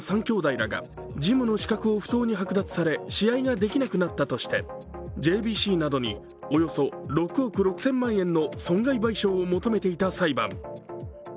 ３兄弟らがジムの資格を不当に剥奪され試合ができなくなったとしてＪＢＣなどにおよそ６億６０００万円の損害賠償を求めていた裁判。